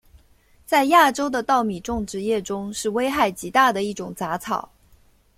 在亚洲的稻米种植业中是危害极大的一种杂草。